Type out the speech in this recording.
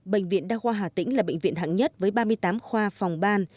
bệnh viện đa khoa hà tĩnh là bệnh viện hạng nhất với ba mươi tám khoa phòng ban